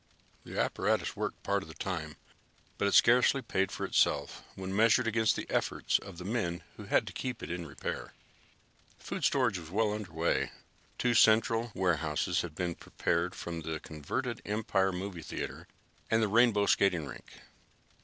The apparatus worked part of the time, but it scarcely paid for itself when measured against the efforts of the men who had to keep it in repair. The food storage program was well underway. Two central warehouses had been prepared from the converted Empire Movie Theater, and the Rainbow Skating Rink.